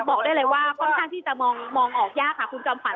บอกได้เลยว่าค่อนข้างที่จะมองออกยากค่ะคุณจอมขวั